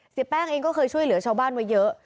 เสียแป้งเองก็เคยช่วยเหลือชาวบ้านไว้เยอะ